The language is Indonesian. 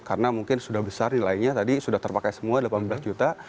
karena mungkin sudah besar nilainya tadi sudah terpakai semua delapan belas juta